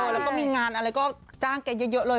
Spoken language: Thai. แล้วก็มีงานอะไรก็จ้างแกเยอะเลย